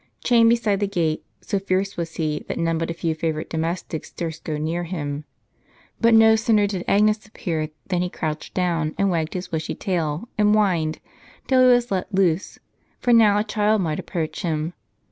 Chained beside the gate, so fierce was he, that none but a lew favorite domestics durst go near him. But no sooner did Agnes a])i)ear than he crouched down, and wagged his bushy tail, and whined, till he was let loose; for now a child might approach him.